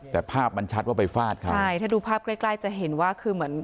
แต่ภาพมันชัดว่าไปฟาดเขาใช่ถ้าดูภาพใกล้ใกล้จะเห็นว่าคือเหมือน